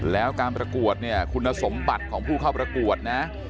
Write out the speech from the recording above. แล้วการประกวดเนี่ยคุณสมบัติของผู้เข้าประกวดนะ